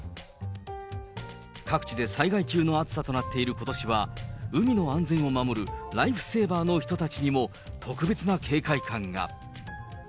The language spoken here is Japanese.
各地で最大級の暑さとなっていることしは、海の安全を守るライフセーバーの人たちにも、特別な警戒感が。